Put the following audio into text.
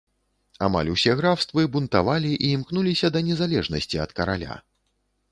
Амаль усе графствы бунтавалі і імкнуліся да незалежнасці ад караля.